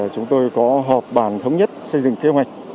chúng tôi có họp bàn thống nhất xây dựng kế hoạch